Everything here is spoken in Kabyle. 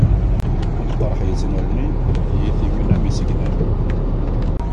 Lqerḥ yettnerni, tiyitiwin am yisegnan.